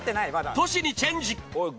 トシにチェンジ。